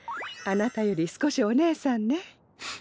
あなたより少しお姉さんね。